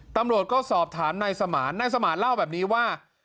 ตำรวจก็สอบถามนายสมานนายสมานเล่าแบบนี้ว่า